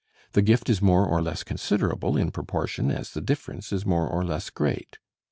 The gift is more or less considerable in proportion as the difference is more or less great.